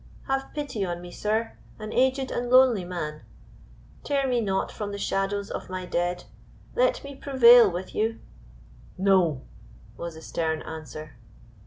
Have pity on me, sir, an aged and a lonely man; tear me not from the shadows of my dead. Let me prevail with you?" "No!" was the stern answer.